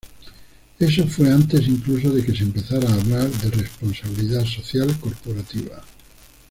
Eso fue antes incluso de que se empezara a hablar de Responsabilidad Social Corporativa.